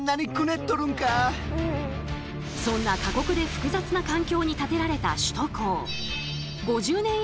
そんな過酷で複雑な環境に建てられた首都高。